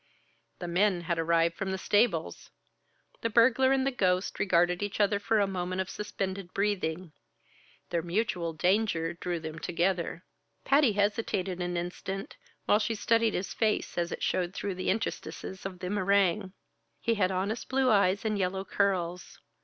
The men had arrived from the stables. The burglar and the ghost regarded each other for a moment of suspended breathing; their mutual danger drew them together. Patty hesitated an instant, while she studied his face as it showed through the interstices of the meringue. He had honest blue eyes and yellow curls.